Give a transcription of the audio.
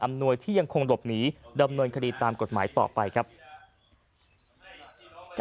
หน่วยที่ยังคงหลบหนีดำเนินคดีตามกฎหมายต่อไปครับ